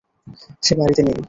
সে বাড়িতে নেই।